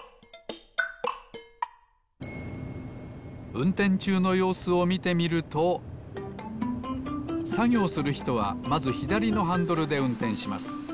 うんてんちゅうのようすをみてみるとさぎょうするひとはまずひだりのハンドルでうんてんします。